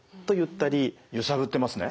ゆさぶってますね？